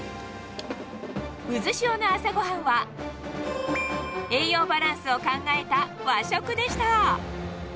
うずしおの朝ごはんは、栄養バランスを考えた和食でした。